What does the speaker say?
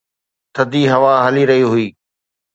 ٿڌي هوا هلي رهي هئي